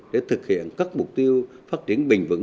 để thực hiện các mục tiêu phát triển bình vững